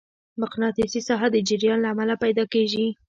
مقناطیسي ساحه د جریان له امله پیدا کېږي.